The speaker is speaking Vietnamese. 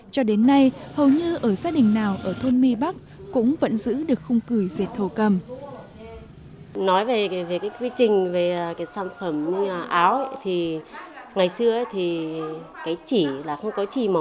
cho đến nay hầu như ở gia đình nào ở thôn my bắc cũng vẫn giữ được khung cười dệt thổ cầm